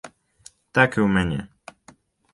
Так і ў мяне.